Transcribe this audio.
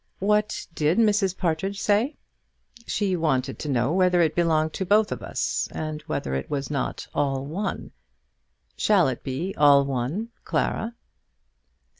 "What did Mrs. Partridge say?" "She wanted to know whether it belonged to both of us, and whether it was not all one. Shall it be all one, Clara?"